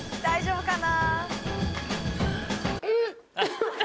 大丈夫かな？